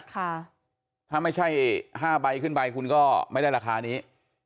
ถ้าไม่ใช่๕ใบขึ้นไปคุณก็ไม่ได้ราคานี้